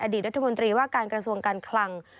รัฐมนตรีว่าการกระทรวงการคลัง